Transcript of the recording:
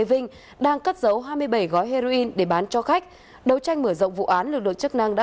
vinh đang cất dấu hai mươi bảy gói heroin để bán cho khách đấu tranh mở rộng vụ án được được chức năng đã